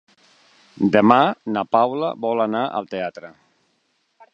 Demà na Paula vol anar al teatre.